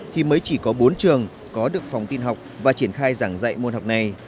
thì mới chỉ có bốn trường có được phòng tin học và triển khai giảng dạy môn học này